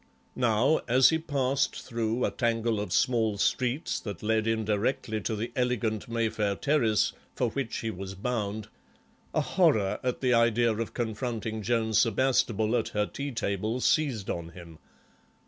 Now, as he passed through a tangle of small streets that led indirectly to the elegant Mayfair terrace for which he was bound, a horror at the idea of confronting Joan Sebastable at her tea table seized on him.